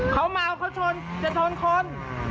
เขาเมาเขาชนจะชนคน